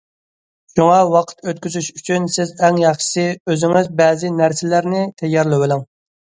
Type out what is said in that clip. شۇڭا ۋاقىت ئۆتكۈزۈش ئۈچۈن سىز ئەڭ ياخشىسى ئۆزىڭىز بەزى نەرسىلەرنى تەييارلىۋېلىڭ.